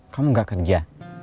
kamu gak kerja